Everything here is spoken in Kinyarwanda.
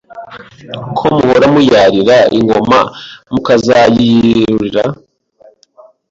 Ko muhora muyarira ingoma Mukazayiyirurira